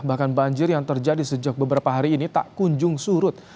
bahkan banjir yang terjadi sejak beberapa hari ini tak kunjung surut